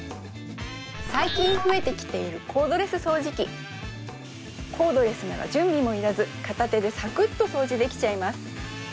最近増えてきているコードレス掃除機コードレスなら準備もいらず片手でサクッと掃除できちゃいます